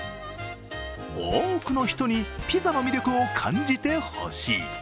多くの人にピザの魅力を感じてほしい。